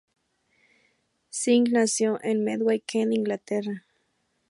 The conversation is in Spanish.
Singh nació en Medway, Kent Inglaterra.